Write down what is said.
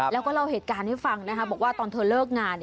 แล้วก็เล่าเหตุการณ์ให้ฟังนะคะบอกว่าตอนเธอเลิกงาน